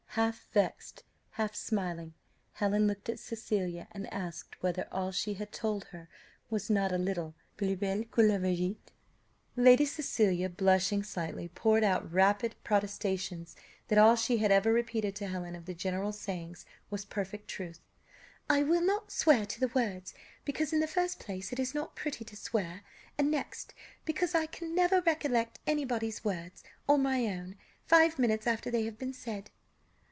Half vexed, half smiling, Helen looked at Cecilia, and asked whether all she had told her was not a little "plus belle que la vérité." Lady Cecilia, blushing slightly, poured out rapid protestations that all she had ever repeated to Helen of the general's sayings was perfect truth "I will not swear to the words because in the first place it is not pretty to swear, and next, because I can never recollect anybody's words, or my own, five minutes after they have been said."